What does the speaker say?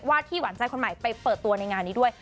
ที่หวานใจคนใหม่ไปเปิดตัวในงานนี้ด้วย